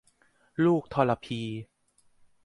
ลูกทรพี